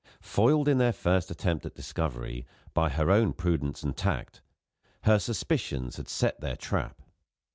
Foiled in their first attempt at discovery by her own prudence and tact, his suspicions had set their trap.